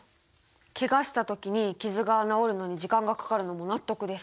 ケガした時に傷が治るのに時間がかかるのも納得です。